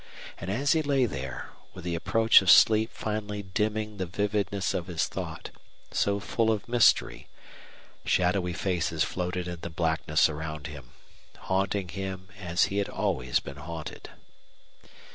And as he lay there, with the approach of sleep finally dimming the vividness of his thought, so full of mystery, shadowy faces floated in the blackness around him, haunting him as he had always been haunted.